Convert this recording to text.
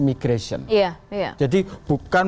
migration jadi bukan